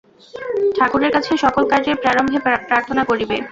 ঠাকুরের কাছে সকল কার্যের প্রারম্ভে প্রার্থনা করিবে।